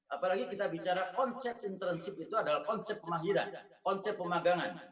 apalagi kita bicara konsep internship itu adalah konsep pemahiran konsep pemagangan